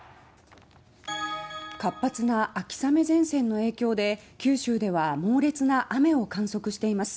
活発な秋雨前線の影響で九州では猛烈な雨を観測しています。